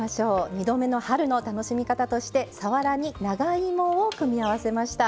「２度目の春」の楽しみ方としてさわらに長芋を組み合わせました。